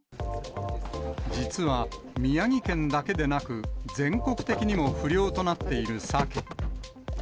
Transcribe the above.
宮城県だけでなく、全国的にも不漁となっているサケ。